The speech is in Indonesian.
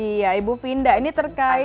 iya ibu vinda ini terkait